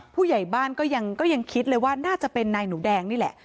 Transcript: ผู้ใหญ่บ้านก็ยังคิดเลยว่าน่าจะเป็นนายหนูแดงนี่แหละ